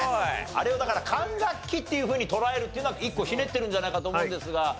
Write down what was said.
あれをだから管楽器っていうふうに捉えるっていうのは一個ひねってるんじゃないかと思うんですが。